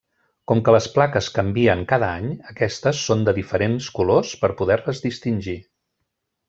Com que les plaques canvien cada any, aquestes són de diferents colors per poder-les distingir.